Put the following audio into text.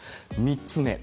３つ目。